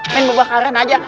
main berbakaran aja